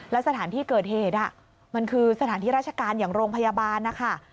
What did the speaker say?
แล้วสถานที่เกิดเหตุมันคือสถานที่ราชการอย่างโรงพยาบาลนะคะ